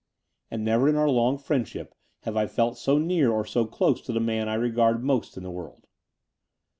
And never in our long friendship have I felt so near or so dose to the man I regard most in the world.